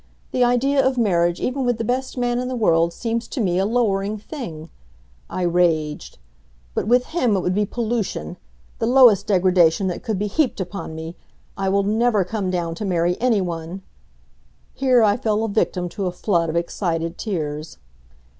The idea of marriage even with the best man in the world seems to me a lowering thing," I raged; "but with him it would be pollution the lowest degradation that could be heaped upon me! I will never come down to marry any one " here I fell a victim to a flood of excited tears.